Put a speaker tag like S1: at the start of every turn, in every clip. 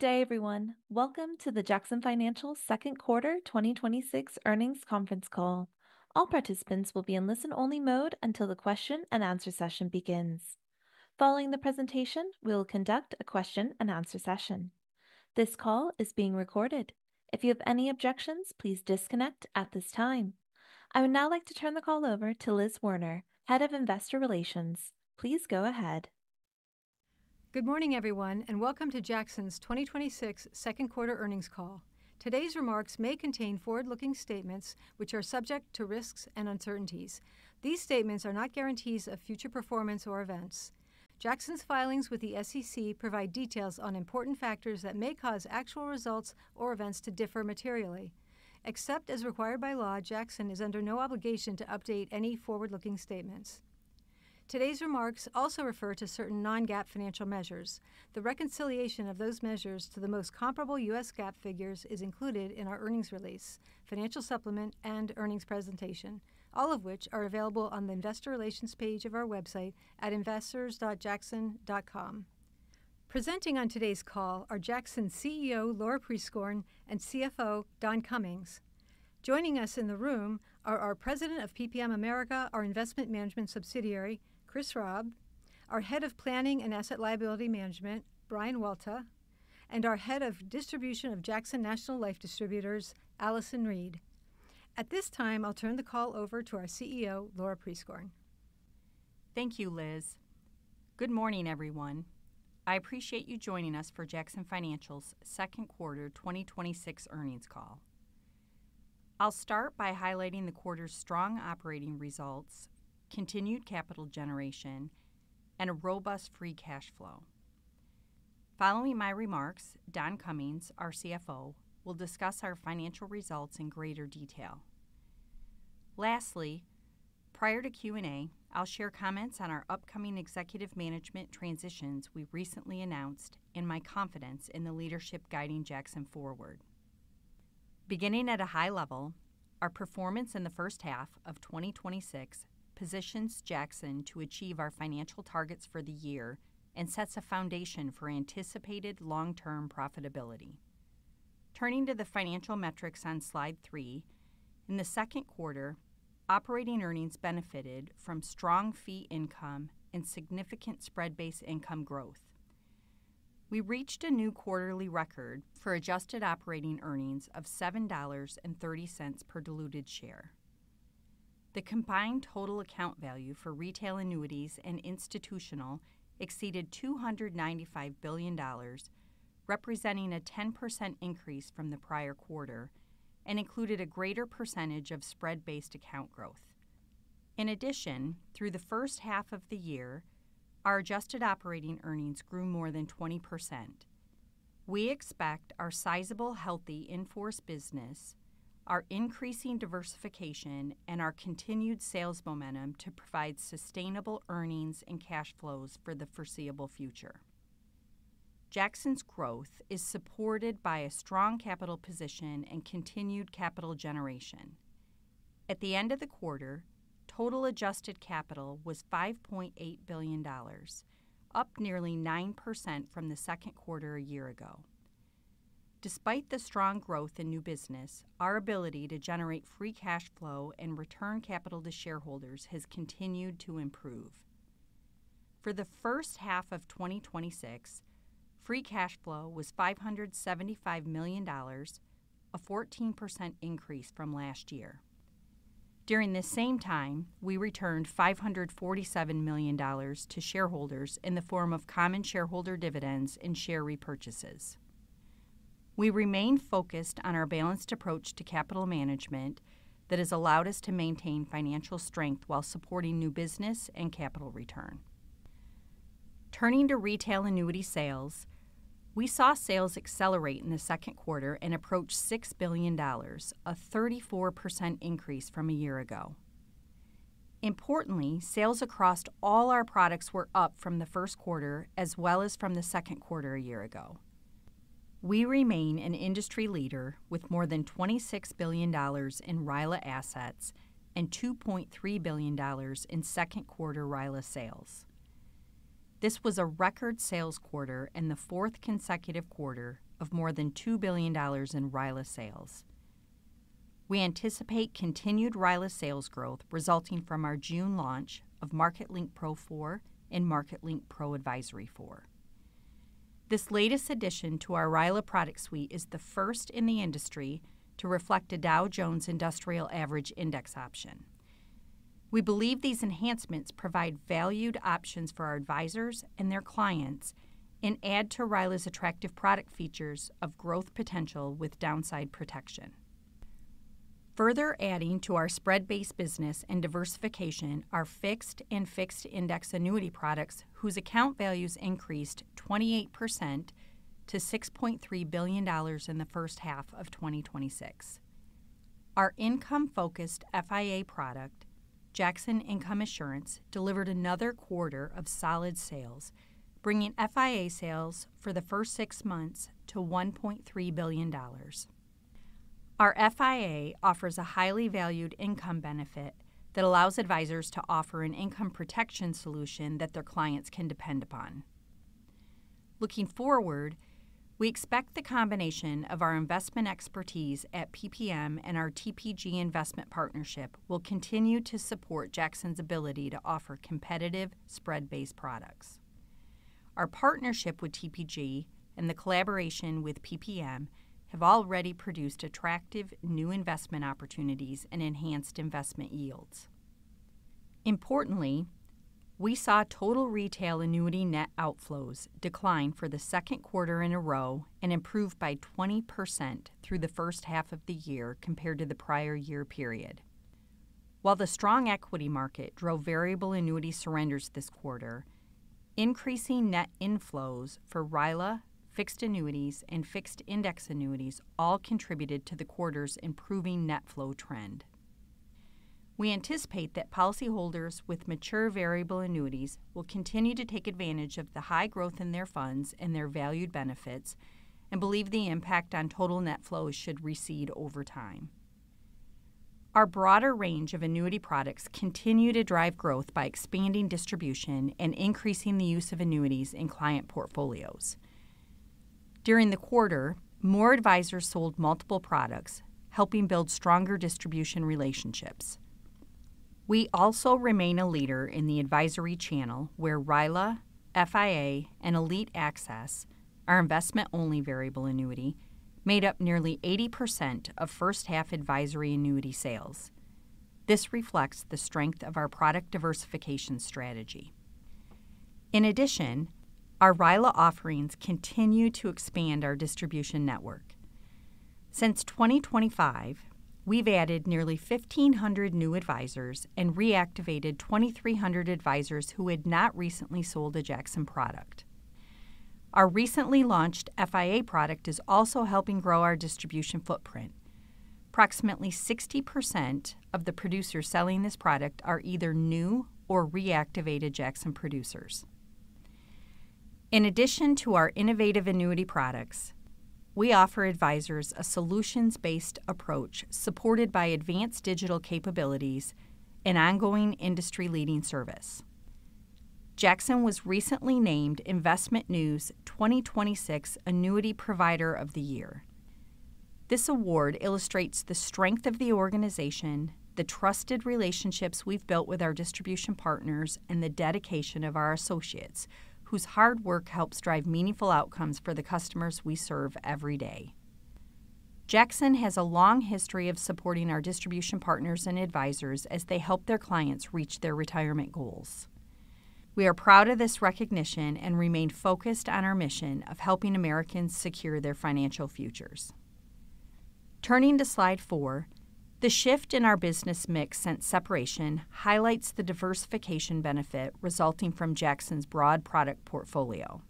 S1: Good day, everyone. Welcome to the Jackson Financial Second Quarter 2026 Earnings Conference Call. All participants will be in listen-only mode until the question-and-answer session begins. Following the presentation, we will conduct a question-and-answer session. This call is being recorded. If you have any objections, please disconnect at this time. I would now like to turn the call over to Liz Werner, Head of Investor Relations. Please go ahead.
S2: Good morning, everyone. Welcome to Jackson's 2026 Second Quarter Earnings Call. Today's remarks may contain forward-looking statements which are subject to risks and uncertainties. These statements are not guarantees of future performance or events. Jackson's filings with the SEC provide details on important factors that may cause actual results or events to differ materially. Except as required by law, Jackson is under no obligation to update any forward-looking statements. Today's remarks also refer to certain non-GAAP financial measures. The reconciliation of those measures to the most comparable U.S. GAAP figures is included in our earnings release, financial supplement, and earnings presentation, all of which are available on the investor relations page of our website at investors.jackson.com. Presenting on today's call are Jackson CEO, Laura Prieskorn, and CFO, Don Cummings. Joining us in the room are our President of PPM America, our investment management subsidiary, Chris Raub, our Head of Planning and Asset Liability Management, Brian Walta, and our Head of Distribution of Jackson National Life Distributors, Alison Reed. At this time, I'll turn the call over to our CEO, Laura Prieskorn.
S3: Thank you, Liz. Good morning, everyone. I appreciate you joining us for Jackson Financial's Second Quarter 2026 Earnings Call. I'll start by highlighting the quarter's strong operating results, continued capital generation, and a robust free cash flow. Following my remarks, Don Cummings, our CFO, will discuss our financial results in greater detail. Lastly, prior to Q&A, I'll share comments on our upcoming executive management transitions we recently announced and my confidence in the leadership guiding Jackson forward. Beginning at a high level, our performance in the first half of 2026 positions Jackson to achieve our financial targets for the year and sets a foundation for anticipated long-term profitability. Turning to the financial metrics on slide three, in the second quarter, operating earnings benefited from strong fee income and significant spread-based income growth. We reached a new quarterly record for adjusted operating earnings of $7.30 per diluted share. The combined total account value for retail annuities and institutional exceeded $295 billion, representing a 10% increase from the prior quarter, and included a greater percentage of spread-based account growth. In addition, through the first half of the year, our adjusted operating earnings grew more than 20%. We expect our sizable, healthy in-force business, our increasing diversification, and our continued sales momentum to provide sustainable earnings and cash flows for the foreseeable future. Jackson's growth is supported by a strong capital position and continued capital generation. At the end of the quarter, total adjusted capital was $5.8 billion, up nearly 9% from the second quarter a year ago. Despite the strong growth in new business, our ability to generate free cash flow and return capital to shareholders has continued to improve. For the first half of 2026, free cash flow was $575 million, a 14% increase from last year. During this same time, we returned $547 million to shareholders in the form of common shareholder dividends and share repurchases. We remain focused on our balanced approach to capital management that has allowed us to maintain financial strength while supporting new business and capital return. Turning to retail annuity sales, we saw sales accelerate in the second quarter and approach $6 billion, a 34% increase from a year ago. Importantly, sales across all our products were up from the first quarter, as well as from the second quarter a year ago. We remain an industry leader with more than $26 billion in RILA assets and $2.3 billion in second quarter RILA sales. This was a record sales quarter and the fourth consecutive quarter of more than $2 billion in RILA sales. We anticipate continued RILA sales growth resulting from our June launch of Market Link Pro 4 and Market Link Pro Advisory 4. This latest addition to our RILA product suite is the first in the industry to reflect a Dow Jones Industrial Average index option. We believe these enhancements provide valued options for our advisors and their clients and add to RILA's attractive product features of growth potential with downside protection. Further adding to our spread-based business and diversification are fixed and fixed index annuity products whose account values increased 28% to $6.3 billion in the first half of 2026. Our income-focused FIA product, Jackson Income Assurance, delivered another quarter of solid sales, bringing FIA sales for the first six months to $1.3 billion. Our FIA offers a highly valued income benefit that allows advisors to offer an income protection solution that their clients can depend upon. Looking forward, we expect the combination of our investment expertise at PPM and our TPG investment partnership will continue to support Jackson's ability to offer competitive spread-based products. Our partnership with TPG and the collaboration with PPM have already produced attractive new investment opportunities and enhanced investment yields. Importantly, we saw total retail annuity net outflows decline for the second quarter in a row and improve by 20% through the first half of the year compared to the prior year period. While the strong equity market drove variable annuity surrenders this quarter, increasing net inflows for RILA, fixed annuities, and fixed index annuities all contributed to the quarter's improving net flow trend. We anticipate that policyholders with mature variable annuities will continue to take advantage of the high growth in their funds and their valued benefits and believe the impact on total net flows should recede over time. Our broader range of annuity products continue to drive growth by expanding distribution and increasing the use of annuities in client portfolios. During the quarter, more advisors sold multiple products, helping build stronger distribution relationships. We also remain a leader in the advisory channel where RILA, FIA, and Elite Access, our investment only variable annuity, made up nearly 80% of first half advisory annuity sales. This reflects the strength of our product diversification strategy. In addition, our RILA offerings continue to expand our distribution network. Since 2025, we've added nearly 1,500 new advisors and reactivated 2,300 advisors who had not recently sold a Jackson product. Our recently launched FIA product is also helping grow our distribution footprint. Approximately 60% of the producers selling this product are either new or reactivated Jackson producers. To our innovative annuity products, we offer advisors a solutions-based approach supported by advanced digital capabilities and ongoing industry leading service. Jackson was recently named InvestmentNews 2026 Annuities Provider of the Year. This award illustrates the strength of the organization, the trusted relationships we've built with our distribution partners, and the dedication of our associates, whose hard work helps drive meaningful outcomes for the customers we serve every day. Jackson has a long history of supporting our distribution partners and advisors as they help their clients reach their retirement goals. We are proud of this recognition and remain focused on our mission of helping Americans secure their financial futures. Turning to slide four, the shift in our business mix since separation highlights the diversification benefit resulting from Jackson's broad product portfolio.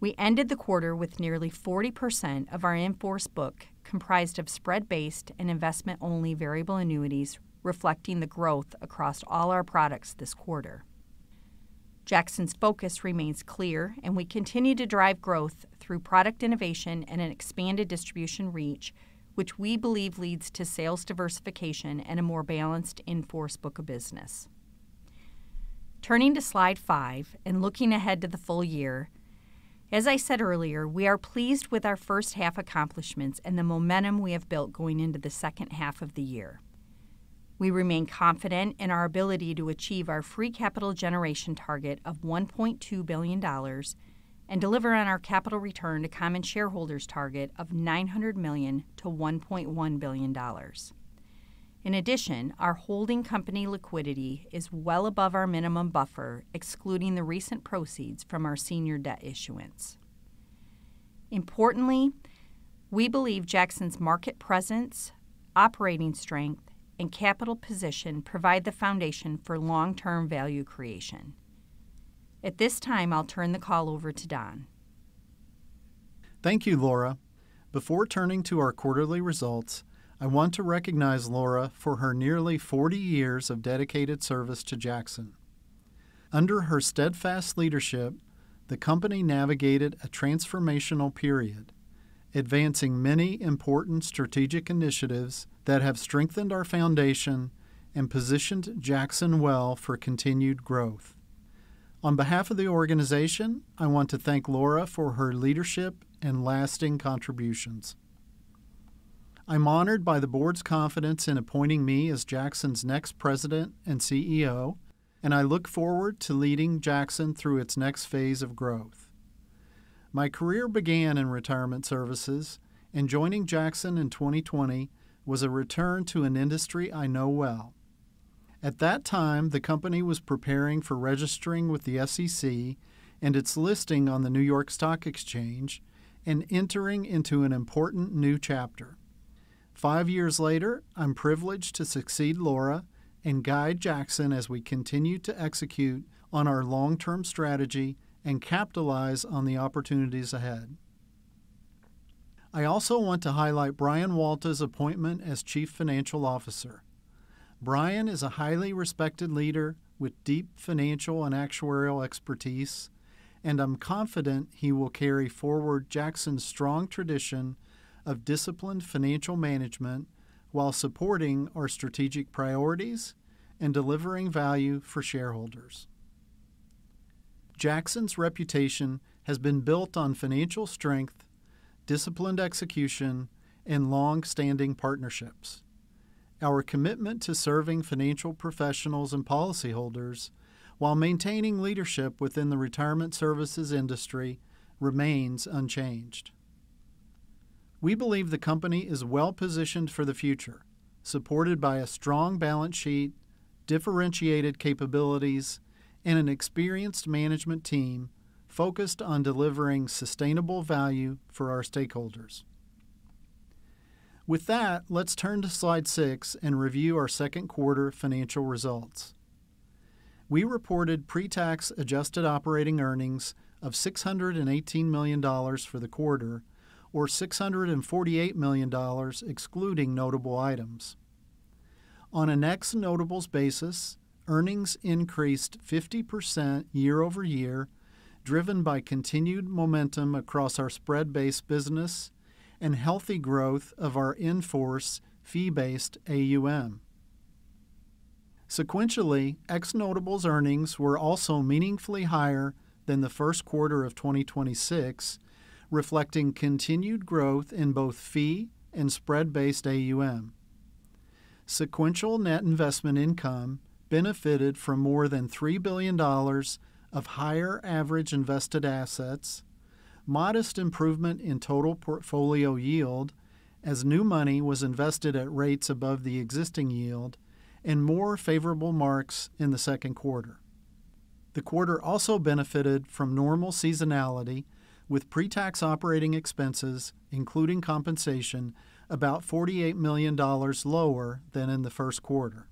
S3: We ended the quarter with nearly 40% of our in-force book comprised of spread-based and investment-only variable annuities, reflecting the growth across all our products this quarter. Jackson's focus remains clear, we continue to drive growth through product innovation and an expanded distribution reach, which we believe leads to sales diversification and a more balanced in-force book of business. Turning to slide five and looking ahead to the full year, as I said earlier, we are pleased with our first half accomplishments and the momentum we have built going into the second half of the year. We remain confident in our ability to achieve our free capital generation target of $1.2 billion and deliver on our capital return to common shareholders target of $900 million to $1.1 billion. Our holding company liquidity is well above our minimum buffer, excluding the recent proceeds from our senior debt issuance. Importantly, we believe Jackson's market presence, operating strength, and capital position provide the foundation for long-term value creation. At this time, I'll turn the call over to Don.
S4: Thank you, Laura. Before turning to our quarterly results, I want to recognize Laura for her nearly 40 years of dedicated service to Jackson. Under her steadfast leadership, the company navigated a transformational period, advancing many important strategic initiatives that have strengthened our foundation and positioned Jackson well for continued growth. On behalf of the organization, I want to thank Laura for her leadership and lasting contributions. I am honored by the board's confidence in appointing me as Jackson's next President and CEO, and I look forward to leading Jackson through its next phase of growth. My career began in retirement services, and joining Jackson in 2020 was a return to an industry I know well. At that time, the company was preparing for registering with the SEC and its listing on the New York Stock Exchange and entering into an important new chapter. Five years later, I am privileged to succeed Laura and guide Jackson as we continue to execute on our long-term strategy and capitalize on the opportunities ahead. I also want to highlight Brian Walta's appointment as Chief Financial Officer. Brian is a highly respected leader with deep financial and actuarial expertise. I am confident he will carry forward Jackson's strong tradition of disciplined financial management while supporting our strategic priorities and delivering value for shareholders. Jackson's reputation has been built on financial strength, disciplined execution, and long-standing partnerships. Our commitment to serving financial professionals and policyholders while maintaining leadership within the retirement services industry remains unchanged. We believe the company is well-positioned for the future, supported by a strong balance sheet, differentiated capabilities, and an experienced management team focused on delivering sustainable value for our stakeholders. With that, let's turn to slide six and review our second quarter financial results. We reported pre-tax adjusted operating earnings of $618 million for the quarter, or $648 million excluding notable items. On an ex-notables basis, earnings increased 50% year-over-year, driven by continued momentum across our spread-based business and healthy growth of our in-force fee-based AUM. Sequentially, ex-notables earnings were also meaningfully higher than the first quarter of 2026, reflecting continued growth in both fee and spread-based AUM. Sequential net investment income benefited from more than $3 billion of higher average invested assets, modest improvement in total portfolio yield as new money was invested at rates above the existing yield, and more favorable marks in the second quarter. The quarter also benefited from normal seasonality with pre-tax operating expenses, including compensation, about $48 million lower than in the first quarter.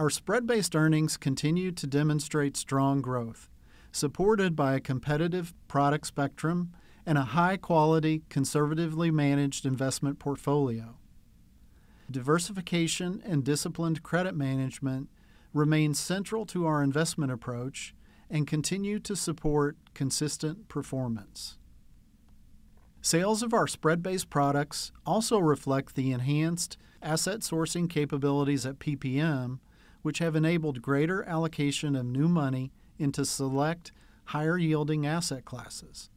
S4: Our spread-based earnings continued to demonstrate strong growth, supported by a competitive product spectrum and a high-quality, conservatively managed investment portfolio. Diversification and disciplined credit management remain central to our investment approach and continue to support consistent performance. Sales of our spread-based products also reflect the enhanced asset sourcing capabilities at PPM, which have enabled greater allocation of new money into select higher-yielding asset classes.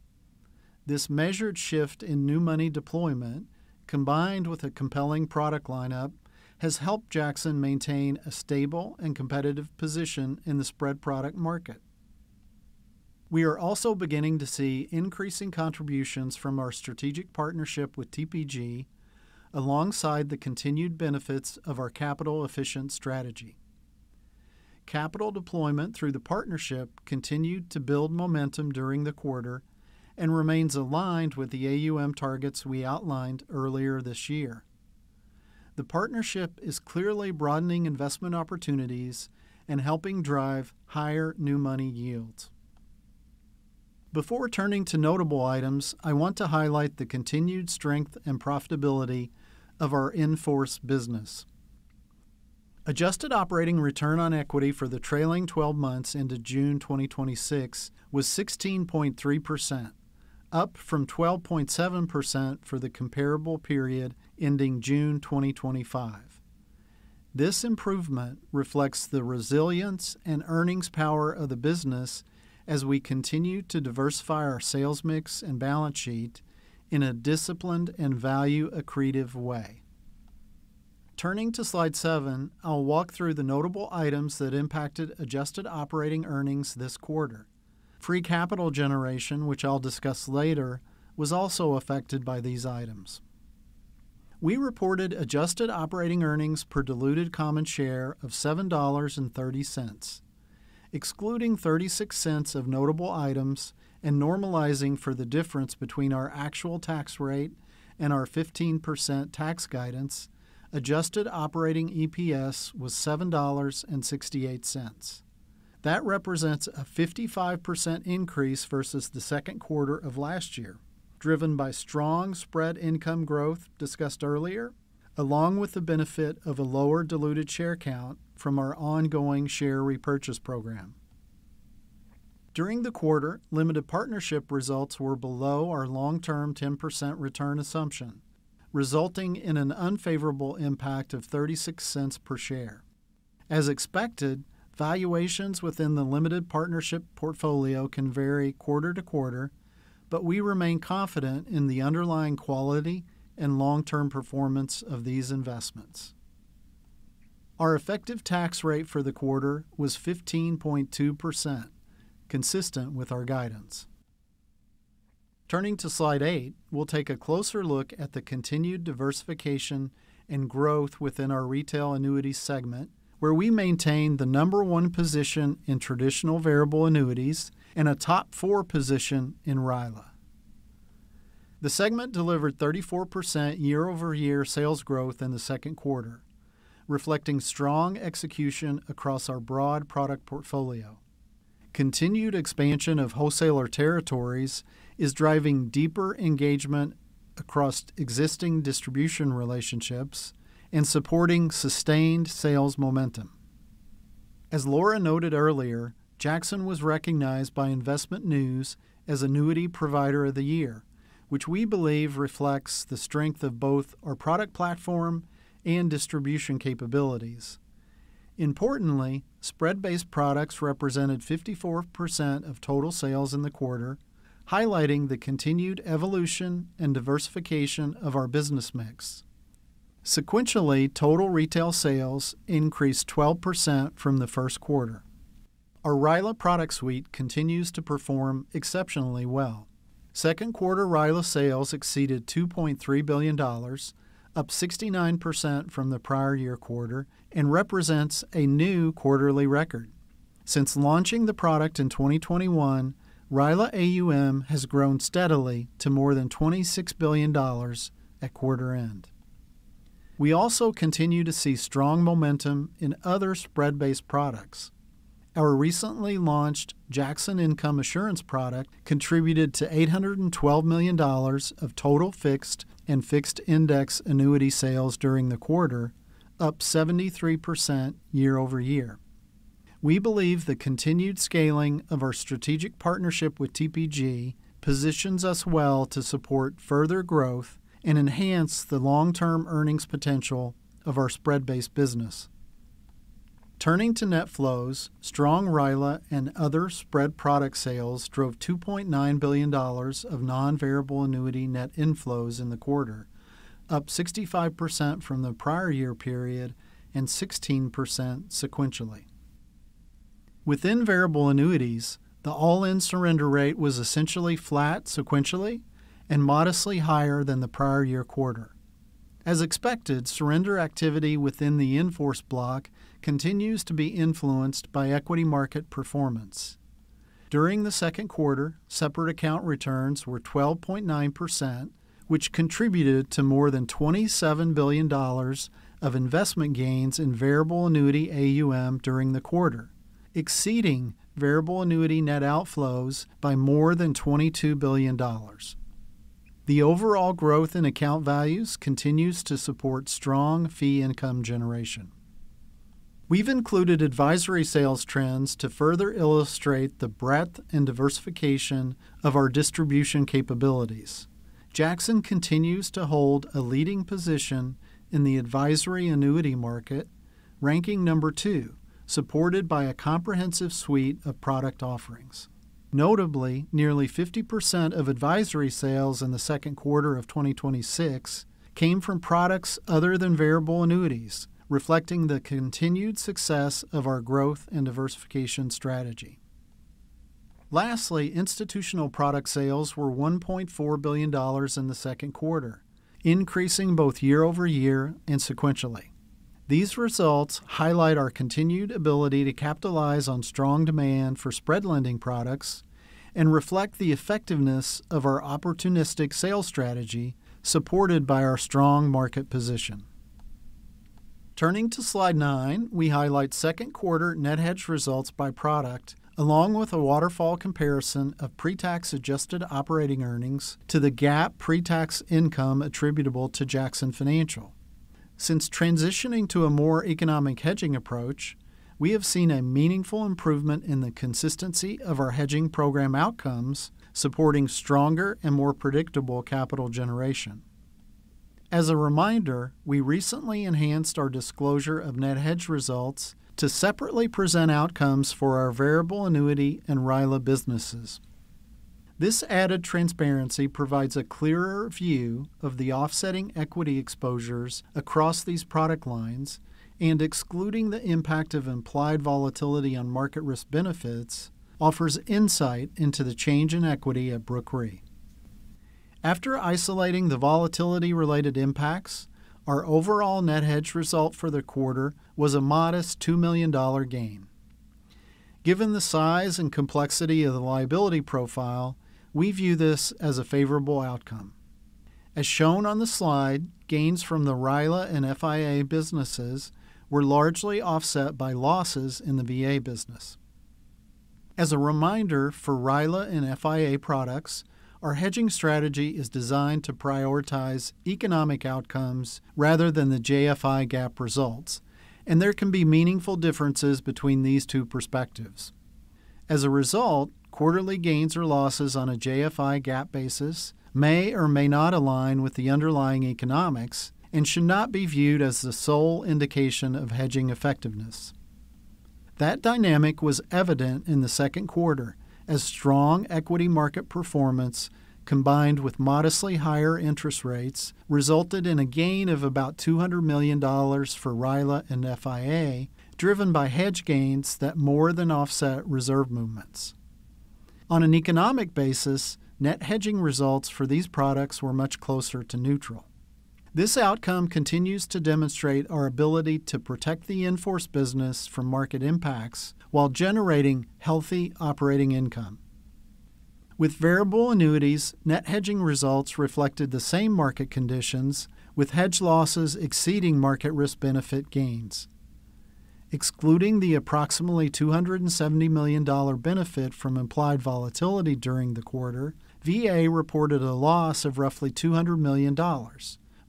S4: This measured shift in new money deployment, combined with a compelling product lineup, has helped Jackson maintain a stable and competitive position in the spread product market. We are also beginning to see increasing contributions from our strategic partnership with TPG alongside the continued benefits of our capital-efficient strategy. Capital deployment through the partnership continued to build momentum during the quarter and remains aligned with the AUM targets we outlined earlier this year. The partnership is clearly broadening investment opportunities and helping drive higher new money yields. Before turning to notable items, I want to highlight the continued strength and profitability of our in-force business. Adjusted operating return on equity for the trailing 12 months into June 2026 was 16.3%, up from 12.7% for the comparable period ending June 2025. This improvement reflects the resilience and earnings power of the business as we continue to diversify our sales mix and balance sheet in a disciplined and value-accretive way. Turning to slide seven, I'll walk through the notable items that impacted adjusted operating earnings this quarter. Free capital generation, which I'll discuss later, was also affected by these items. We reported adjusted operating earnings per diluted common share of $7.30. Excluding $0.36 of notable items and normalizing for the difference between our actual tax rate and our 15% tax guidance, adjusted operating EPS was $7.68. That represents a 55% increase versus the second quarter of last year, driven by strong spread income growth discussed earlier, along with the benefit of a lower diluted share count from our ongoing share repurchase program. During the quarter, limited partnership results were below our long-term 10% return assumption, resulting in an unfavorable impact of $0.36 per share. As expected, valuations within the limited partnership portfolio can vary quarter to quarter, but we remain confident in the underlying quality and long-term performance of these investments. Our effective tax rate for the quarter was 15.2%, consistent with our guidance. Turning to slide eight, we'll take a closer look at the continued diversification and growth within our Retail Annuities segment, where we maintain the number one position in traditional variable annuities and a top four position in RILA. The segment delivered 34% year-over-year sales growth in the second quarter, reflecting strong execution across our broad product portfolio. Continued expansion of wholesaler territories is driving deeper engagement across existing distribution relationships and supporting sustained sales momentum. As Laura noted earlier, Jackson was recognized by InvestmentNews as Annuities Provider of the Year, which we believe reflects the strength of both our product platform and distribution capabilities. Importantly, spread-based products represented 54% of total sales in the quarter, highlighting the continued evolution and diversification of our business mix. Sequentially, total retail sales increased 12% from the first quarter. Our RILA product suite continues to perform exceptionally well. Second quarter RILA sales exceeded $2.3 billion, up 69% from the prior year quarter, and represents a new quarterly record. Since launching the product in 2021, RILA AUM has grown steadily to more than $26 billion at quarter end. We also continue to see strong momentum in other spread-based products. Our recently launched Jackson Income Assurance product contributed to $812 million of total fixed and fixed-index annuity sales during the quarter, up 73% year-over-year. We believe the continued scaling of our strategic partnership with TPG positions us well to support further growth and enhance the long-term earnings potential of our spread-based business. Turning to net flows, strong RILA and other spread product sales drove $2.9 billion of non-variable annuity net inflows in the quarter, up 65% from the prior year period and 16% sequentially. Within variable annuities, the all-in surrender rate was essentially flat sequentially and modestly higher than the prior year quarter. As expected, surrender activity within the in-force block continues to be influenced by equity market performance. During the second quarter, separate account returns were 12.9%, which contributed to more than $27 billion of investment gains in variable annuity AUM during the quarter, exceeding variable annuity net outflows by more than $22 billion. The overall growth in account values continues to support strong fee income generation. We've included advisory sales trends to further illustrate the breadth and diversification of our distribution capabilities. Jackson continues to hold a leading position in the advisory annuity market, ranking number two, supported by a comprehensive suite of product offerings. Notably, nearly 50% of advisory sales in the second quarter of 2026 came from products other than variable annuities, reflecting the continued success of our growth and diversification strategy. Lastly, institutional product sales were $1.4 billion in the second quarter, increasing both year-over-year and sequentially. These results highlight our continued ability to capitalize on strong demand for spread lending products and reflect the effectiveness of our opportunistic sales strategy, supported by our strong market position. Turning to slide nine, we highlight second quarter net hedge results by product, along with a waterfall comparison of pre-tax adjusted operating earnings to the GAAP pre-tax income attributable to Jackson Financial. Since transitioning to a more economic hedging approach, we have seen a meaningful improvement in the consistency of our hedging program outcomes, supporting stronger and more predictable capital generation. As a reminder, we recently enhanced our disclosure of net hedge results to separately present outcomes for our variable annuity and RILA businesses. This added transparency provides a clearer view of the offsetting equity exposures across these product lines and, excluding the impact of implied volatility on market risk benefits, offers insight into the change in equity at Brooke Reinsurance. After isolating the volatility-related impacts, our overall net hedge result for the quarter was a modest $2 million gain. Given the size and complexity of the liability profile, we view this as a favorable outcome. As shown on the slide, gains from the RILA and FIA businesses were largely offset by losses in the VA business. As a reminder, for RILA and FIA products, our hedging strategy is designed to prioritize economic outcomes rather than the JFI GAAP results, and there can be meaningful differences between these two perspectives. As a result, quarterly gains or losses on a JFI GAAP basis may or may not align with the underlying economics and should not be viewed as the sole indication of hedging effectiveness. That dynamic was evident in the second quarter as strong equity market performance, combined with modestly higher interest rates, resulted in a gain of about $200 million for RILA and FIA, driven by hedge gains that more than offset reserve movements. On an economic basis, net hedging results for these products were much closer to neutral. This outcome continues to demonstrate our ability to protect the in-force business from market impacts while generating healthy operating income. With variable annuities, net hedging results reflected the same market conditions, with hedge losses exceeding market risk benefit gains. Excluding the approximately $270 million benefit from implied volatility during the quarter, VA reported a loss of roughly $200 million,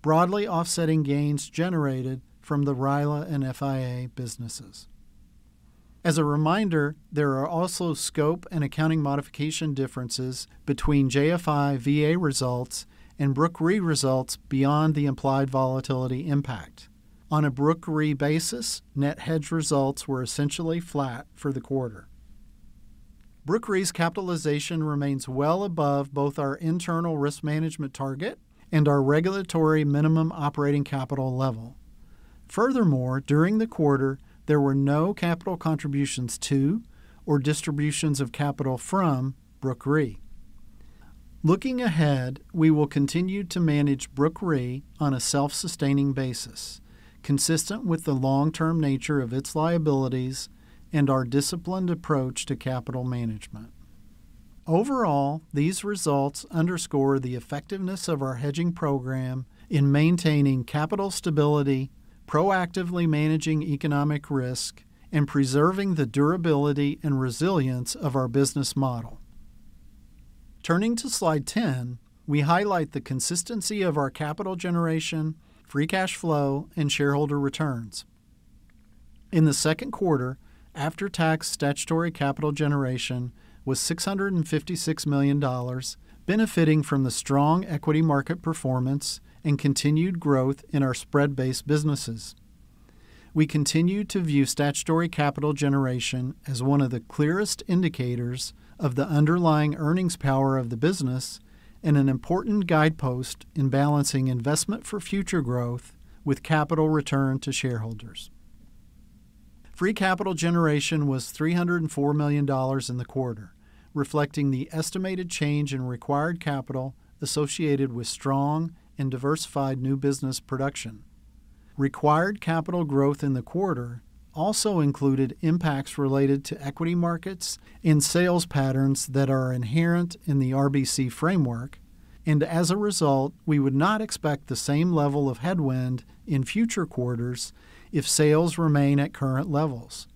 S4: broadly offsetting gains generated from the RILA and FIA businesses. As a reminder, there are also scope and accounting modification differences between JFI VA results and Brooke Reinsurance results beyond the implied volatility impact. On a Brooke Reinsurance basis, net hedge results were essentially flat for the quarter. Brooke Reinsurance's capitalization remains well above both our internal risk management target and our regulatory minimum operating capital level. During the quarter, there were no capital contributions to or distributions of capital from Brooke Reinsurance. We will continue to manage Brooke Reinsurance on a self-sustaining basis, consistent with the long-term nature of its liabilities and our disciplined approach to capital management. These results underscore the effectiveness of our hedging program in maintaining capital stability, proactively managing economic risk, and preserving the durability and resilience of our business model. Turning to slide 10, we highlight the consistency of our capital generation, free cash flow, and shareholder returns. In the second quarter, after-tax statutory capital generation was $656 million, benefiting from the strong equity market performance and continued growth in our spread-based businesses. We continue to view statutory capital generation as one of the clearest indicators of the underlying earnings power of the business and an important guidepost in balancing investment for future growth with capital return to shareholders. Free capital generation was $304 million in the quarter, reflecting the estimated change in required capital associated with strong and diversified new business production. Required capital growth in the quarter also included impacts related to equity markets and sales patterns that are inherent in the RBC framework. As a result, we would not expect the same level of headwind in future quarters if sales remain at current levels.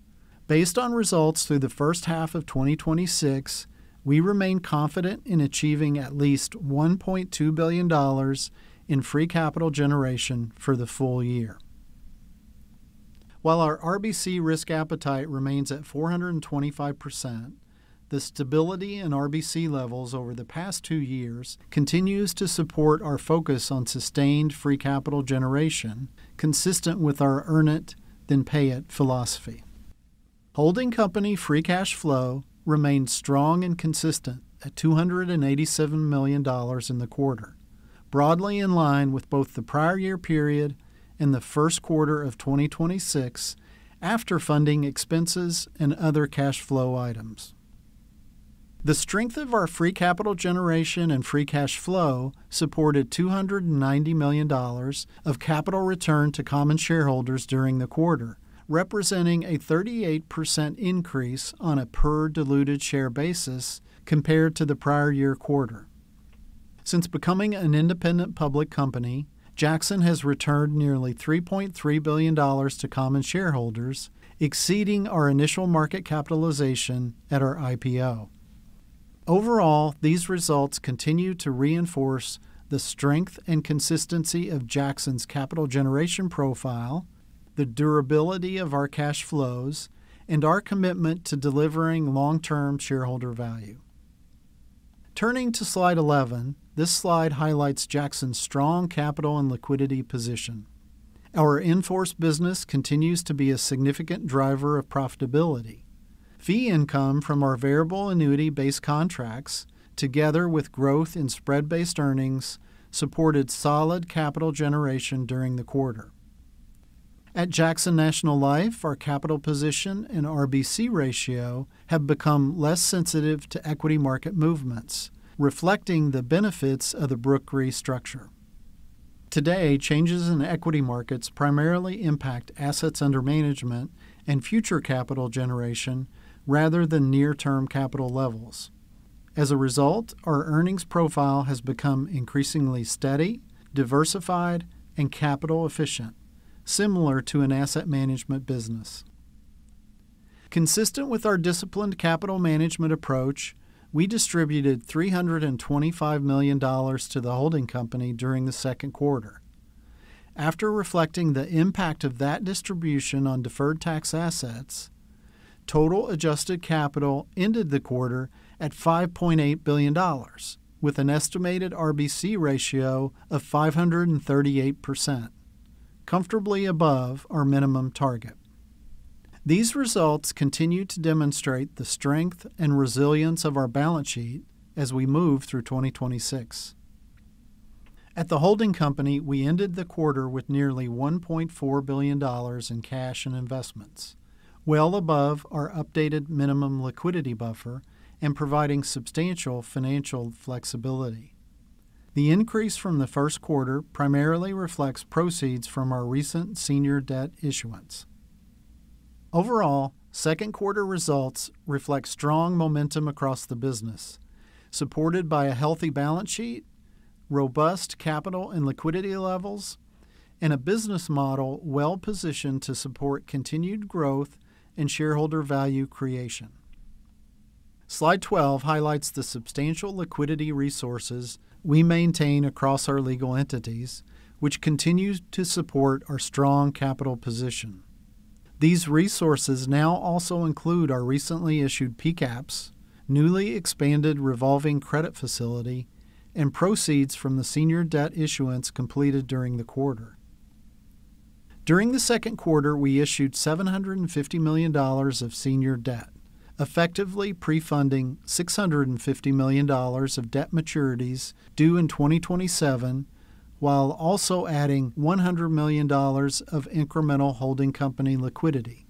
S4: Based on results through the first half of 2026, we remain confident in achieving at least $1.2 billion in free capital generation for the full year. While our RBC risk appetite remains at 425%, the stability in RBC levels over the past two years continues to support our focus on sustained free capital generation, consistent with our earn it, then pay it philosophy. Holding company free cash flow remained strong and consistent at $287 million in the quarter, broadly in line with both the prior year period and the first quarter of 2026 after funding expenses and other cash flow items. The strength of our free capital generation and free cash flow supported $290 million of capital returned to common shareholders during the quarter, representing a 38% increase on a per diluted share basis compared to the prior year quarter. Since becoming an independent public company, Jackson has returned nearly $3.3 billion to common shareholders, exceeding our initial market capitalization at our IPO. These results continue to reinforce the strength and consistency of Jackson's capital generation profile, the durability of our cash flows, and our commitment to delivering long-term shareholder value. Turning to slide 11, this slide highlights Jackson's strong capital and liquidity position. Our in-force business continues to be a significant driver of profitability. Fee income from our variable annuity-based contracts, together with growth in spread-based earnings, supported solid capital generation during the quarter. At Jackson National Life, our capital position and RBC ratio have become less sensitive to equity market movements, reflecting the benefits of the Brooke Reinsurance Company structure. Today, changes in equity markets primarily impact AUM and future capital generation rather than near-term capital levels. As a result, our earnings profile has become increasingly steady, diversified, and capital efficient, similar to an asset management business. Consistent with our disciplined capital management approach, we distributed $325 million to the holding company during the second quarter. After reflecting the impact of that distribution on deferred tax assets, total adjusted capital ended the quarter at $5.8 billion, with an estimated RBC ratio of 538%, comfortably above our minimum target. These results continue to demonstrate the strength and resilience of our balance sheet as we move through 2026. At the holding company, we ended the quarter with nearly $1.4 billion in cash and investments, well above our updated minimum liquidity buffer and providing substantial financial flexibility. The increase from the first quarter primarily reflects proceeds from our recent senior debt issuance. Overall, second quarter results reflect strong momentum across the business, supported by a healthy balance sheet, robust capital and liquidity levels, and a business model well-positioned to support continued growth and shareholder value creation. Slide 12 highlights the substantial liquidity resources we maintain across our legal entities, which continue to support our strong capital position. These resources now also include our recently issued PCAPs, newly expanded revolving credit facility, and proceeds from the senior debt issuance completed during the quarter. During the second quarter, we issued $750 million of senior debt, effectively pre-funding $650 million of debt maturities due in 2027, while also adding $100 million of incremental holding company liquidity.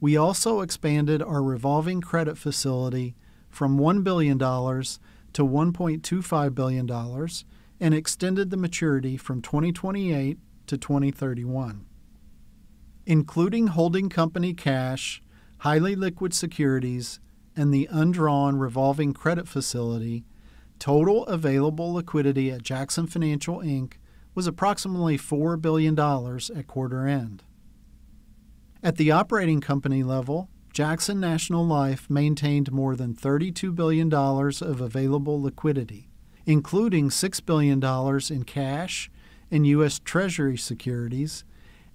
S4: We also expanded our revolving credit facility from $1 billion to $1.25 billion and extended the maturity from 2028 to 2031. Including holding company cash, highly liquid securities, and the undrawn revolving credit facility, total available liquidity at Jackson Financial Inc. was approximately $4 billion at quarter end. At the operating company level, Jackson National Life maintained more than $32 billion of available liquidity, including $6 billion in cash and U.S. Treasury securities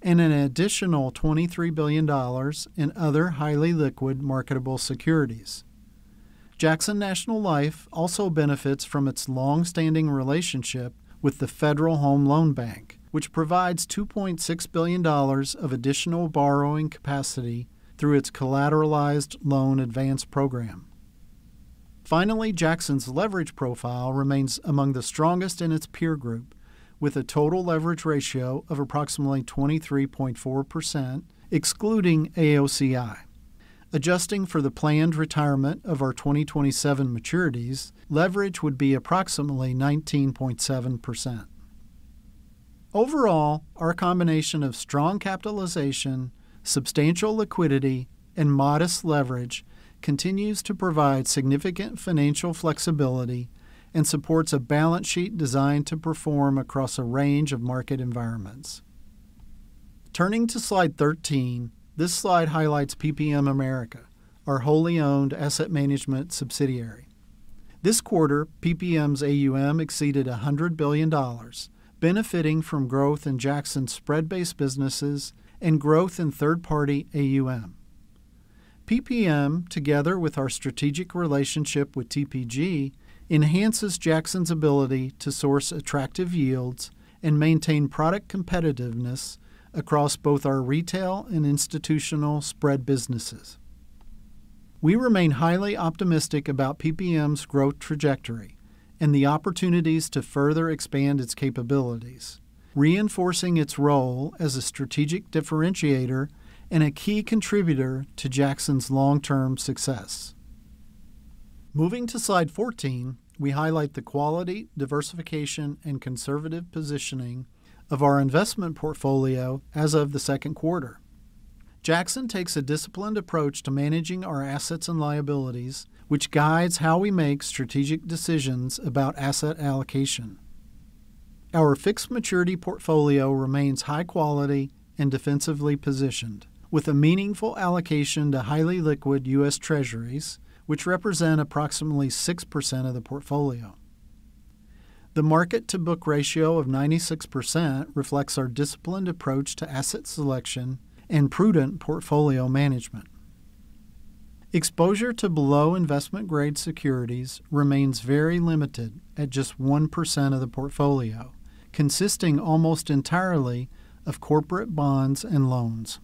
S4: and an additional $23 billion in other highly liquid marketable securities. Jackson National Life also benefits from its longstanding relationship with the Federal Home Loan Bank, which provides $2.6 billion of additional borrowing capacity through its collateralized loan advance program. Finally, Jackson's leverage profile remains among the strongest in its peer group, with a total leverage ratio of approximately 23.4%, excluding AOCI. Adjusting for the planned retirement of our 2027 maturities, leverage would be approximately 19.7%. Overall, our combination of strong capitalization, substantial liquidity, and modest leverage continues to provide significant financial flexibility and supports a balance sheet designed to perform across a range of market environments. Turning to slide 13, this slide highlights PPM America, our wholly owned asset management subsidiary. This quarter, PPM's AUM exceeded $100 billion, benefiting from growth in Jackson's spread-based businesses and growth in third-party AUM. PPM, together with our strategic relationship with TPG Inc., enhances Jackson's ability to source attractive yields and maintain product competitiveness across both our retail and institutional spread businesses. We remain highly optimistic about PPM's growth trajectory and the opportunities to further expand its capabilities, reinforcing its role as a strategic differentiator and a key contributor to Jackson's long-term success. Moving to slide 14, we highlight the quality, diversification, and conservative positioning of our investment portfolio as of the second quarter. Jackson takes a disciplined approach to managing our assets and liabilities, which guides how we make strategic decisions about asset allocation. Our fixed maturity portfolio remains high quality and defensively positioned, with a meaningful allocation to highly liquid U.S. Treasuries, which represent approximately 6% of the portfolio. The market-to-book ratio of 96% reflects our disciplined approach to asset selection and prudent portfolio management. Exposure to below investment-grade securities remains very limited at just 1% of the portfolio, consisting almost entirely of corporate bonds and loans.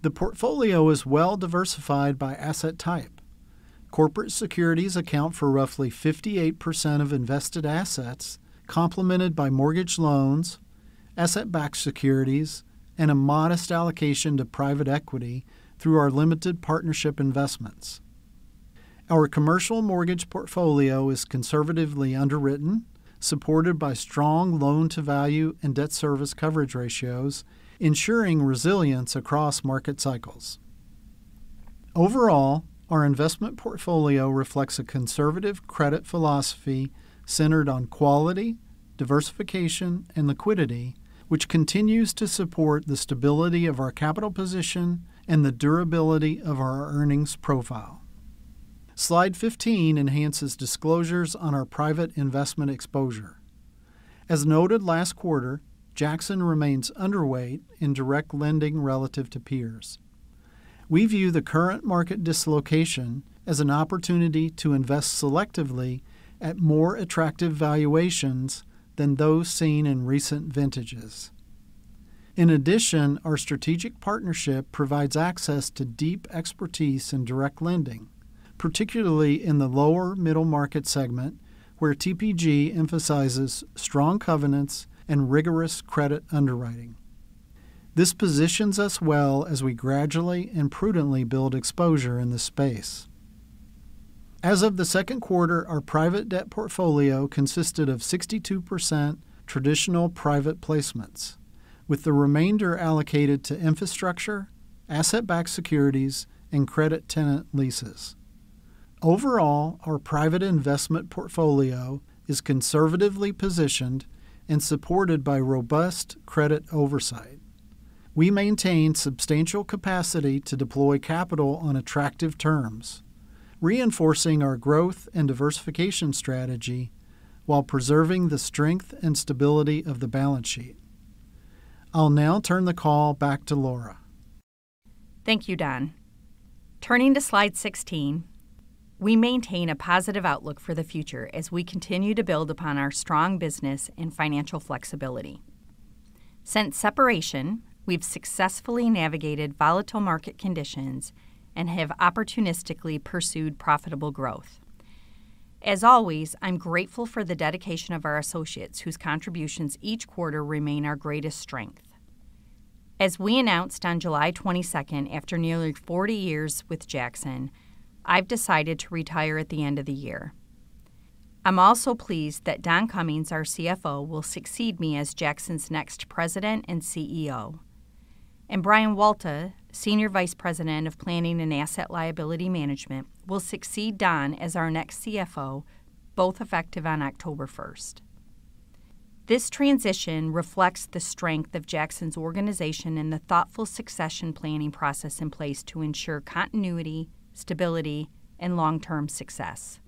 S4: The portfolio is well diversified by asset type. Corporate securities account for roughly 58% of invested assets, complemented by mortgage loans, asset-backed securities, and a modest allocation to private equity through our limited partnership investments. Our commercial mortgage portfolio is conservatively underwritten, supported by strong loan-to-value and debt service coverage ratios, ensuring resilience across market cycles. Overall, our investment portfolio reflects a conservative credit philosophy centered on quality, diversification, and liquidity, which continues to support the stability of our capital position and the durability of our earnings profile. Slide 15 enhances disclosures on our private investment exposure. As noted last quarter, Jackson remains underweight in direct lending relative to peers. We view the current market dislocation as an opportunity to invest selectively at more attractive valuations than those seen in recent vintages. In addition, our strategic partnership provides access to deep expertise in direct lending, particularly in the lower middle market segment, where TPG emphasizes strong covenants and rigorous credit underwriting. This positions us well as we gradually and prudently build exposure in this space. As of the second quarter, our private debt portfolio consisted of 62% traditional private placements, with the remainder allocated to infrastructure, asset-backed securities, and credit tenant leases. Overall, our private investment portfolio is conservatively positioned and supported by robust credit oversight. We maintain substantial capacity to deploy capital on attractive terms, reinforcing our growth and diversification strategy while preserving the strength and stability of the balance sheet. I'll now turn the call back to Laura.
S3: Thank you, Don. Turning to slide 16, we maintain a positive outlook for the future as we continue to build upon our strong business and financial flexibility. Since separation, we've successfully navigated volatile market conditions and have opportunistically pursued profitable growth. As always, I'm grateful for the dedication of our associates, whose contributions each quarter remain our greatest strength. As we announced on July 22nd, after nearly 40 years with Jackson, I've decided to retire at the end of the year. I'm also pleased that Don Cummings, our CFO, will succeed me as Jackson's next President and CEO. Brian Walta, Senior Vice President of Planning and Asset Liability Management, will succeed Don as our next CFO, both effective on October 1st. This transition reflects the strength of Jackson's organization and the thoughtful succession planning process in place to ensure continuity, stability, and long-term success.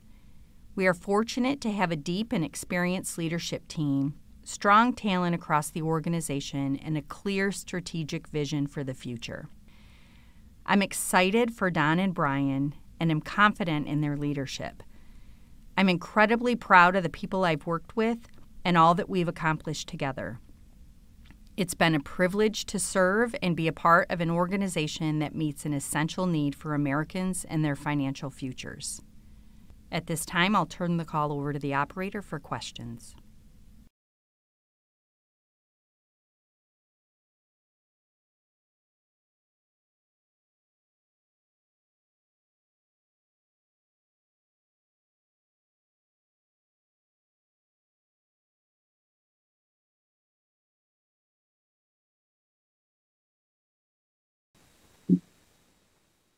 S3: We are fortunate to have a deep and experienced leadership team, strong talent across the organization, and a clear strategic vision for the future. I'm excited for Don and Brian and am confident in their leadership. I'm incredibly proud of the people I've worked with and all that we've accomplished together. It's been a privilege to serve and be a part of an organization that meets an essential need for Americans and their financial futures. At this time, I'll turn the call over to the operator for questions.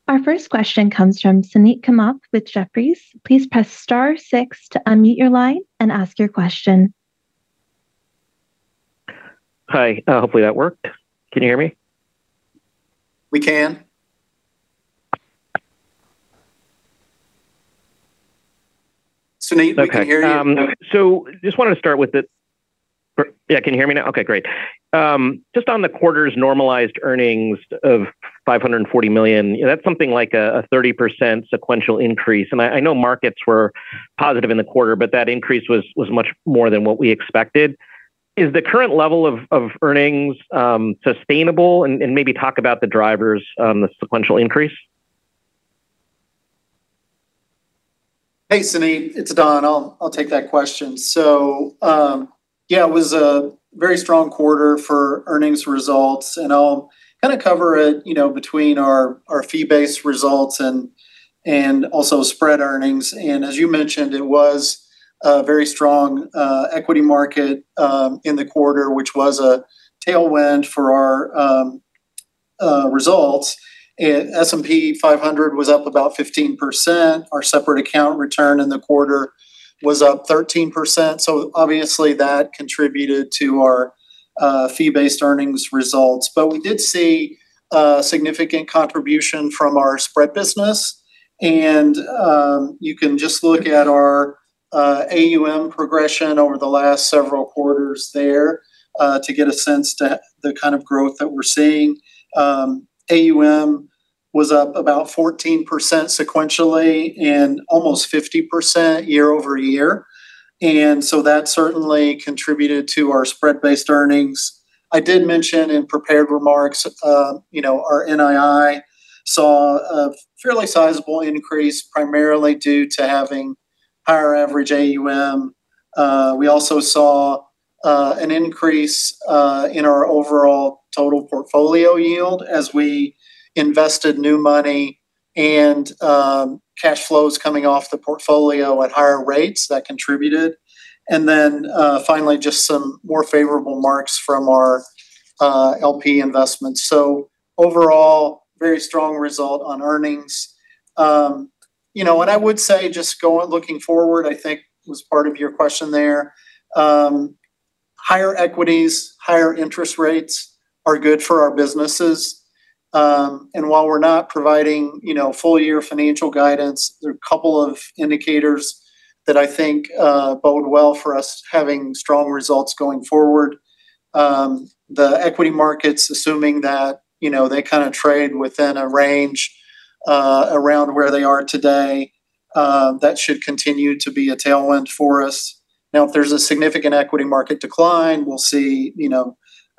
S1: Our first question comes from Suneet Kamath with Jefferies. Please press star six to unmute your line and ask your question.
S5: Hi. Hopefully, that worked. Just wanted to start with the quarter's normalized earnings of $540 million, that's something like a 30% sequential increase. I know markets were positive in the quarter, but that increase was much more than what we expected. Is the current level of earnings sustainable, and maybe talk about the drivers on the sequential increase?
S4: Hey, Suneet, it's Don. I'll take that question. Yeah, it was a very strong quarter for earnings results, and I'll kind of cover it between our fee-based results and also spread earnings. As you mentioned, it was a very strong equity market in the quarter, which was a tailwind for our results. S&P 500 was up about 15%. Our separate account return in the quarter was up 13%, so obviously that contributed to our fee-based earnings results. We did see a significant contribution from our spread business, and you can just look at our AUM progression over the last several quarters there to get a sense to the kind of growth that we're seeing. AUM was up about 14% sequentially and almost 50% year-over-year. That certainly contributed to our spread-based earnings. I did mention in prepared remarks our NII saw a fairly sizable increase, primarily due to having higher average AUM. We also saw an increase in our overall total portfolio yield as we invested new money and cash flows coming off the portfolio at higher rates. That contributed. Finally, just some more favorable marks from our LP investments. Overall, very strong result on earnings. What I would say, just looking forward, I think was part of your question there, higher equities, higher interest rates are good for our businesses. While we're not providing full-year financial guidance, there are a couple of indicators that I think bode well for us having strong results going forward. The equity markets, assuming that they kind of trade within a range around where they are today, that should continue to be a tailwind for us. Now, if there's a significant equity market decline, we'll see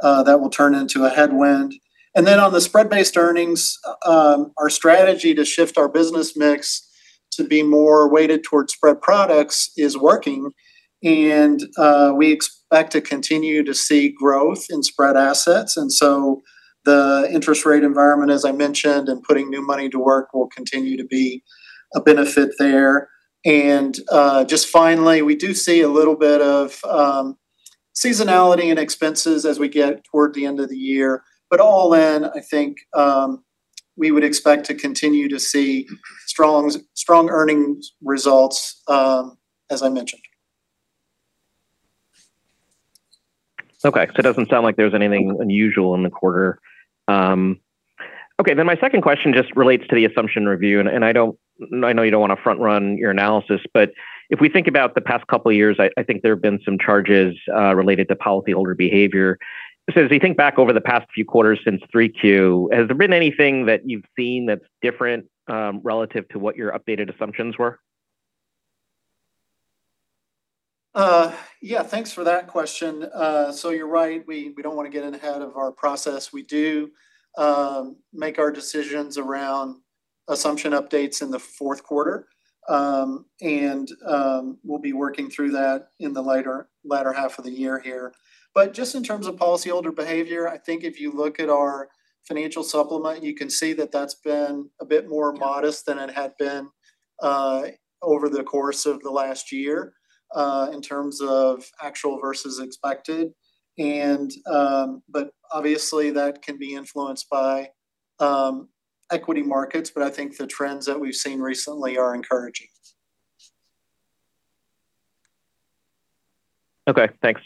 S4: that will turn into a headwind. On the spread-based earnings, our strategy to shift our business mix to be more weighted towards spread products is working. We expect to continue to see growth in spread assets, and so the interest rate environment, as I mentioned, and putting new money to work will continue to be a benefit there. Just finally, we do see a little bit of seasonality and expenses as we get toward the end of the year. All in, I think we would expect to continue to see strong earnings results as I mentioned.
S5: It doesn't sound like there's anything unusual in the quarter. My second question just relates to the assumption review, I know you don't want to front-run your analysis, if we think about the past couple of years, I think there have been some charges related to policyholder behavior. As we think back over the past few quarters since 3Q, has there been anything that you've seen that's different relative to what your updated assumptions were?
S4: Thanks for that question. You're right. We don't want to get ahead of our process. We do make our decisions around assumption updates in the fourth quarter. We'll be working through that in the latter half of the year here. Just in terms of policyholder behavior, I think if you look at our financial supplement, you can see that that's been a bit more modest than it had been over the course of the last year in terms of actual versus expected. Obviously that can be influenced by equity markets, I think the trends that we've seen recently are encouraging.
S5: Thanks.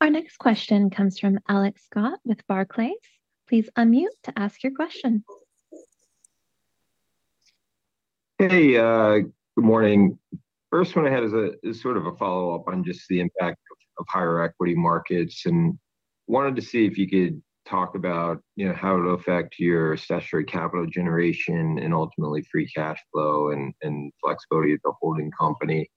S1: Our next question comes from Alex Scott with Barclays. Please unmute to ask your question.
S6: Hey, good morning. First one I had is sort of a follow-up on just the impact of higher equity markets and wanted to see if you could talk about how it'll affect your statutory capital generation and ultimately free cash flow and flexibility as a holding company.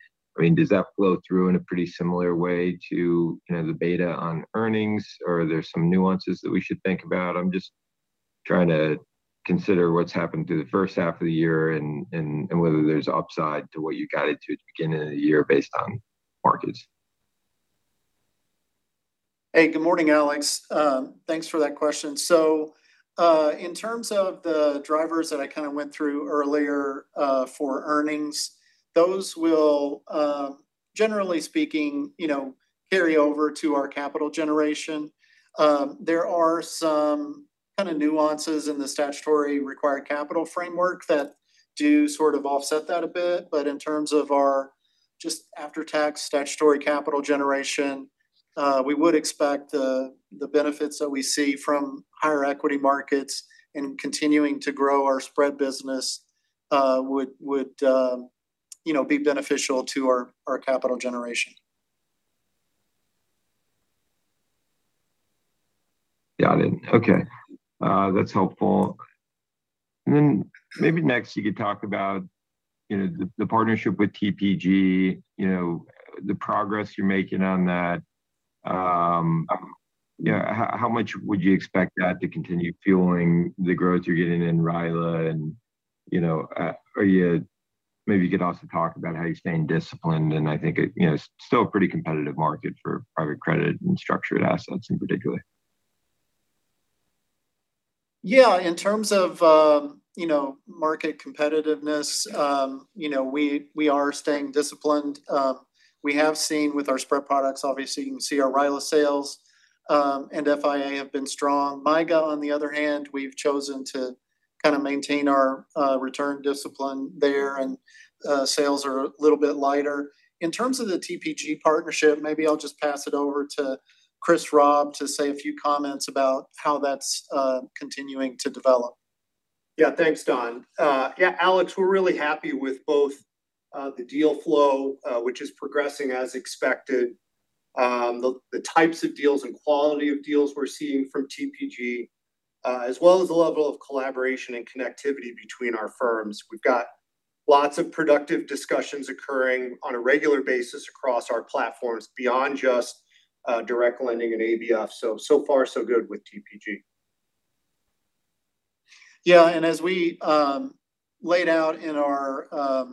S6: Does that flow through in a pretty similar way to the beta on earnings? Are there some nuances that we should think about? I'm just trying to consider what's happened through the first half of the year and whether there's upside to what you guided to at the beginning of the year based on markets.
S4: Hey, good morning, Alex. Thanks for that question. In terms of the drivers that I went through earlier for earnings, those will, generally speaking, carry over to our capital generation. There are some kind of nuances in the statutory required capital framework that do sort of offset that a bit. In terms of our just after-tax statutory capital generation, we would expect the benefits that we see from higher equity markets and continuing to grow our spread business would be beneficial to our capital generation.
S6: Got it. Okay. That's helpful. Maybe next you could talk about the partnership with TPG, the progress you're making on that. How much would you expect that to continue fueling the growth you're getting in RILA? Maybe you could also talk about how you're staying disciplined, and I think it's still a pretty competitive market for private credit and structured assets in particular.
S4: Yeah. In terms of market competitiveness, we are staying disciplined. We have seen with our spread products, obviously, you can see our RILA sales and FIA have been strong. MYGA, on the other hand, we've chosen to kind of maintain our return discipline there, and sales are a little bit lighter. In terms of the TPG partnership, maybe I'll just pass it over to Chris Raub to say a few comments about how that's continuing to develop.
S7: Thanks, Don. Alex, we're really happy with both the deal flow, which is progressing as expected, the types of deals and quality of deals we're seeing from TPG, as well as the level of collaboration and connectivity between our firms. We've got lots of productive discussions occurring on a regular basis across our platforms beyond just direct lending and ABF, so far so good with TPG.
S4: As we laid out in our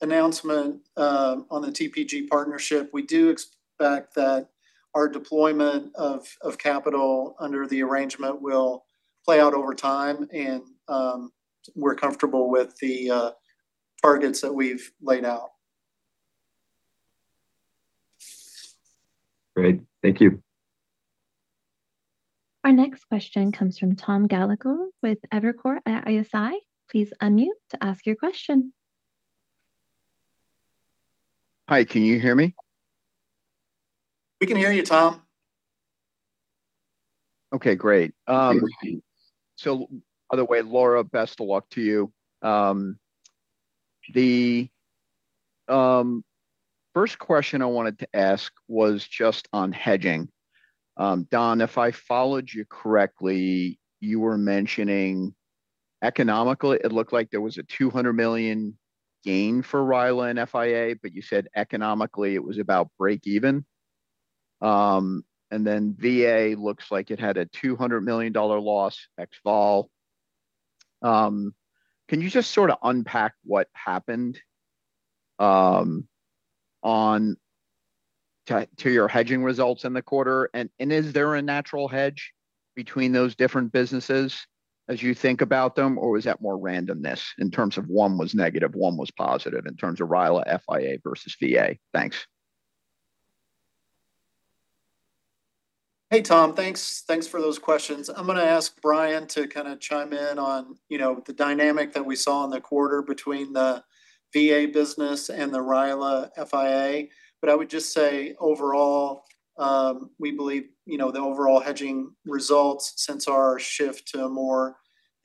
S4: announcement on the TPG partnership, we do expect that our deployment of capital under the arrangement will play out over time, and we're comfortable with the targets that we've laid out.
S6: Great. Thank you.
S1: Our next question comes from Tom Gallagher with Evercore ISI. Please unmute to ask your question.
S8: Okay, great. By the way, Laura, best of luck to you. The first question I wanted to ask was just on hedging. Don, if I followed you correctly, you were mentioning economically it looked like there was a $200 million gain for RILA and FIA, but you said economically it was about break even. And then VA looks like it had a $200 million loss ex VOL. Can you just sort of unpack what happened to your hedging results in the quarter? Is there a natural hedge between those different businesses as you think about them? Or was that more randomness in terms of one was negative, one was positive, in terms of RILA FIA versus VA? Thanks.
S4: Hey, Tom. Thanks for those questions. I'm going to ask Brian to kind of chime in on the dynamic that we saw in the quarter between the VA business and the RILA FIA. I would just say overall, we believe the overall hedging results since our shift to a more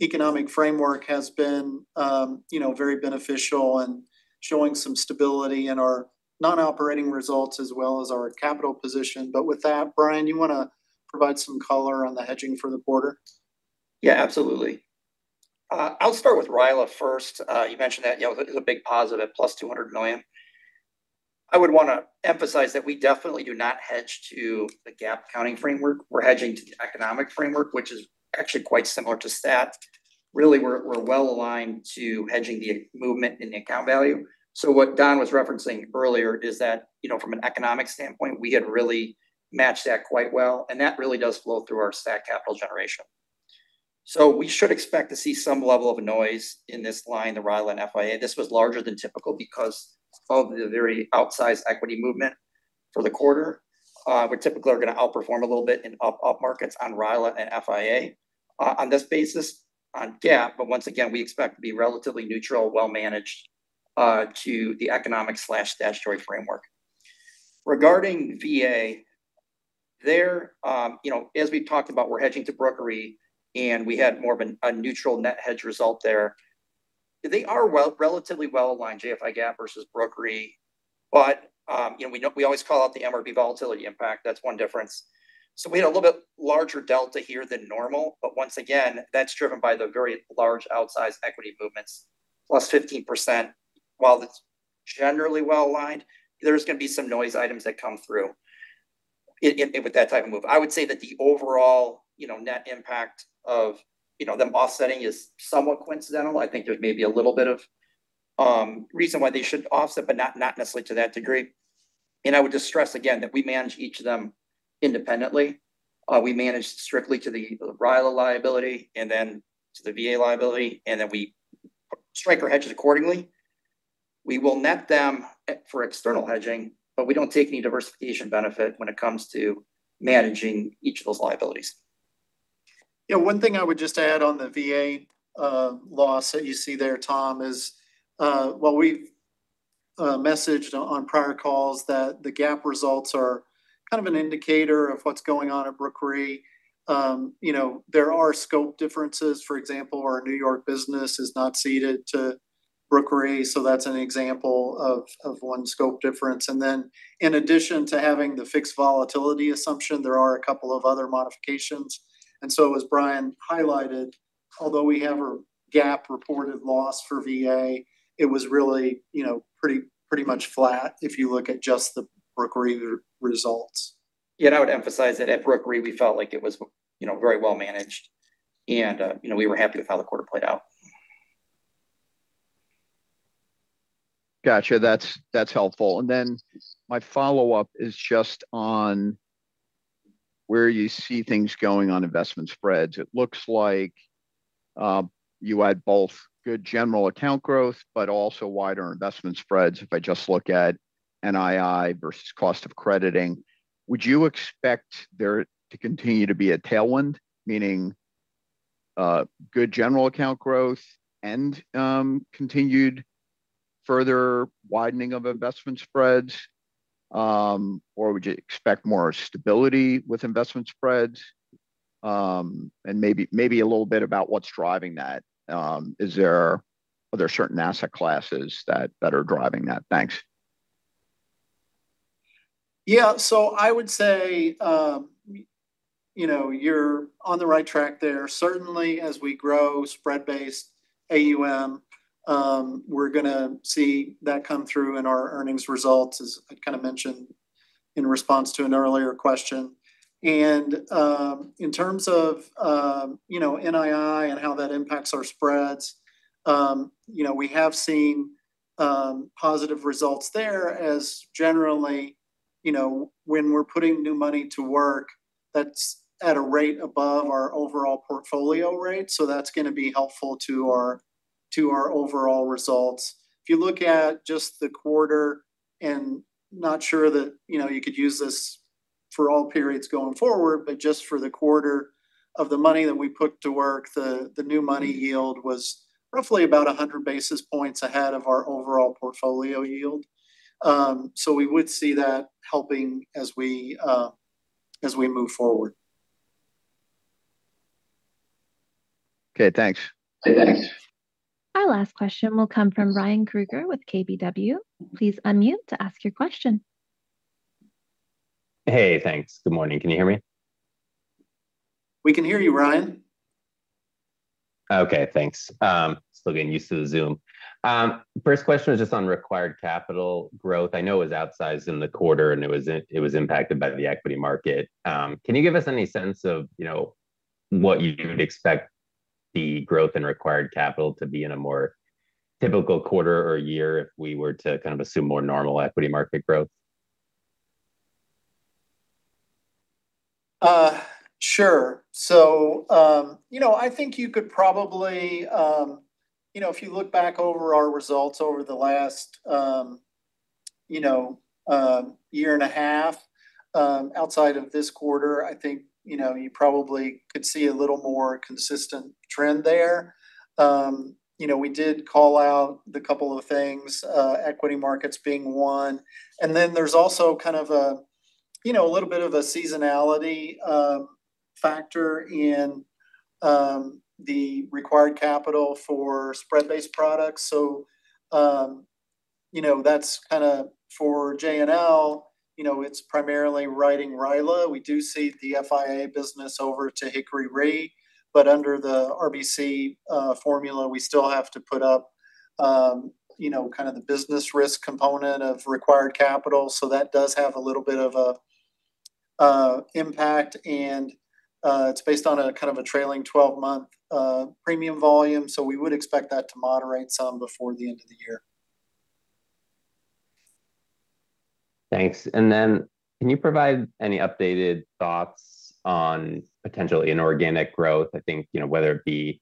S4: economic framework has been very beneficial and showing some stability in our non-operating results as well as our capital position. With that, Brian, you want to provide some color on the hedging for the quarter?
S9: Yeah, absolutely. I'll start with RILA first. You mentioned that it was a big positive, +$200 million. I would want to emphasize that we definitely do not hedge to the GAAP accounting framework. We're hedging to the economic framework, which is actually quite similar to STAT. Really, we're well-aligned to hedging the movement in the account value. What Don was referencing earlier is that from an economic standpoint, we had really matched that quite well, and that really does flow through our STAT capital generation. We should expect to see some level of noise in this line, the RILA and FIA. This was larger than typical because of the very outsized equity movement for the quarter. We typically are going to outperform a little bit in up markets on RILA and FIA on this basis on GAAP. Once again, we expect to be relatively neutral, well-managed to the economic/STAT story framework. Regarding VA, as we've talked about, we're hedging to Brooke Reinsurance, and we had more of a neutral net hedge result there. They are relatively well-aligned JFI GAAP versus Brooke Reinsurance, but we always call out the MRB volatility impact. That's one difference. We had a little bit larger delta here than normal, but once again, that's driven by the very large outsized equity movements, +15%. While it's generally well-aligned, there's going to be some noise items that come through with that type of move. I would say that the overall net impact of them offsetting is somewhat coincidental. I think there may be a little bit of reason why they should offset, but not necessarily to that degree. I would just stress again that we manage each of them independently. We manage strictly to the RILA liability and then to the VA liability, and then we strike our hedges accordingly. We will net them for external hedging, but we don't take any diversification benefit when it comes to managing each of those liabilities.
S4: One thing I would just add on the VA loss that you see there, Tom, is while we've messaged on prior calls that the GAAP results are kind of an indicator of what's going on at Brooke Reinsurance, there are scope differences. For example, our N.Y. business is not ceded to Brooke Reinsurance, so that's an example of one scope difference. In addition to having the fixed volatility assumption, there are a couple of other modifications. As Brian highlighted, although we have a GAAP-reported loss for VA, it was really pretty much flat if you look at just the Brooke Reinsurance results.
S9: I would emphasize that at Brooke Reinsurance, we felt like it was very well managed, and we were happy with how the quarter played out.
S8: Got you. That's helpful. My follow-up is just on where you see things going on investment spreads. It looks like you had both good general account growth, but also wider investment spreads if I just look at NII versus cost of crediting. Would you expect there to continue to be a tailwind, meaning good general account growth and continued further widening of investment spreads? Would you expect more stability with investment spreads? Maybe a little bit about what's driving that. Are there certain asset classes that are driving that? Thanks.
S4: Yeah. I would say you're on the right track there. Certainly, as we grow spread-based AUM, we're going to see that come through in our earnings results, as I kind of mentioned in response to an earlier question. In terms of NII and how that impacts our spreads, we have seen positive results there as generally when we're putting new money to work, that's at a rate above our overall portfolio rate. That's going to be helpful to our overall results. If you look at just the quarter, not sure that you could use this for all periods going forward, but just for the quarter of the money that we put to work, the new money yield was roughly about 100 basis points ahead of our overall portfolio yield. We would see that helping as we move forward.
S8: Okay, thanks.
S1: Our last question will come from Ryan Krueger with KBW. Please unmute to ask your question.
S10: Hey, thanks. Good morning. Still getting used to the Zoom. First question is just on required capital growth. I know it was outsized in the quarter, and it was impacted by the equity market. Can you give us any sense of what you would expect the growth in required capital to be in a more typical quarter or year if we were to assume more normal equity market growth?
S4: Sure. I think if you look back over our results over the last year and a half, outside of this quarter, I think you probably could see a little more consistent trend there. We did call out the couple of things, equity markets being one, and then there's also a little bit of a seasonality factor in the required capital for spread-based products. For JNL, it's primarily writing RILA. We do cede the FIA business over to Hickory Reinsurance, but under the RBC formula, we still have to put up the business risk component of required capital. That does have a little bit of a impact. It's based on a trailing 12-month premium volume, so we would expect that to moderate some before the end of the year.
S10: Thanks. Can you provide any updated thoughts on potential inorganic growth? I think, whether it be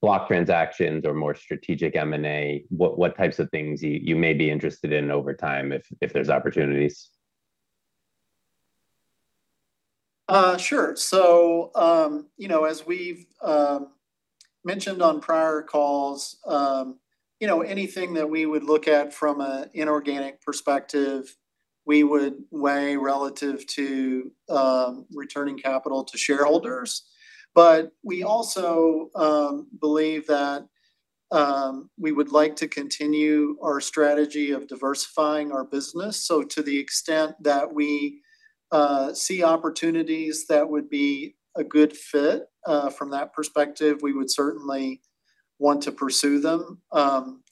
S10: block transactions or more strategic M&A, what types of things you may be interested in over time if there's opportunities?
S4: Sure. As we've mentioned on prior calls, anything that we would look at from an inorganic perspective, we would weigh relative to returning capital to shareholders. We also believe that we would like to continue our strategy of diversifying our business. To the extent that we see opportunities that would be a good fit from that perspective, we would certainly want to pursue them.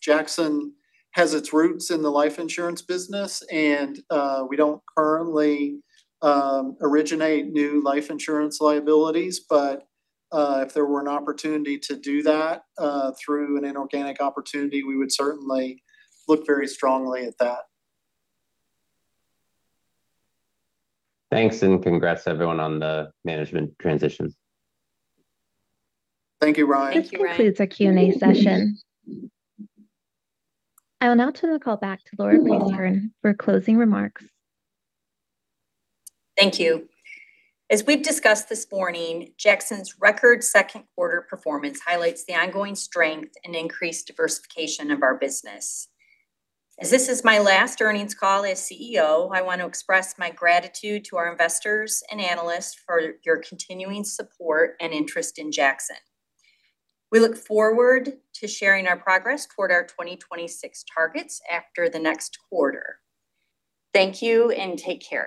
S4: Jackson has its roots in the life insurance business, and we don't currently originate new life insurance liabilities. If there were an opportunity to do that through an inorganic opportunity, we would certainly look very strongly at that.
S10: Thanks. Congrats everyone on the management transitions.
S4: Thank you, Ryan.
S3: Thank you, Ryan.
S1: This concludes our Q&A session. I will now turn the call back to Laura Prieskorn for closing remarks.
S3: Thank you. As we've discussed this morning, Jackson's record second quarter performance highlights the ongoing strength and increased diversification of our business. As this is my last earnings call as CEO, I want to express my gratitude to our investors and analysts for your continuing support and interest in Jackson. We look forward to sharing our progress toward our 2026 targets after the next quarter. Thank you, and take care.